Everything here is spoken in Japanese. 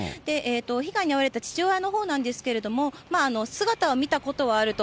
被害に遭われた父親のほうですけれども、姿を見たことはあると。